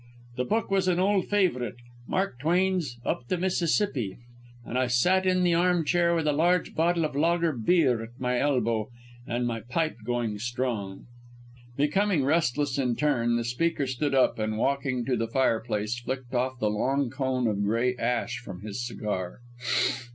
The book was an old favourite, Mark Twain's Up the Mississippi, and I sat in the armchair with a large bottle of lager beer at my elbow and my pipe going strong." Becoming restless in turn, the speaker stood up and walking to the fireplace flicked off the long cone of grey ash from his cigar.